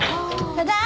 ・ただいま。